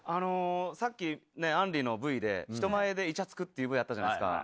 さっきあんりのＶで人前でいちゃつくってＶあったじゃないですか。